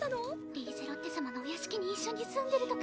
リーゼロッテ様のお屋敷に一緒に住んでるとか。